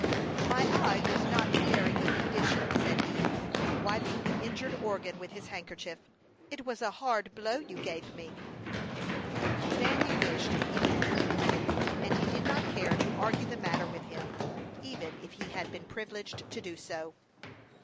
"My eye is not in very good condition," said he, wiping the injured organ with his handkerchief. "It was a hard blow you gave me." Dandy wished he would leave him, and he did not care to argue the matter with him, even if he had been privileged to do so.